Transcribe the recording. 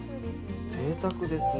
ぜいたくですよね。